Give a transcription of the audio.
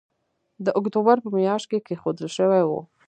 د اکتوبر په مياشت کې کېښودل شوی وو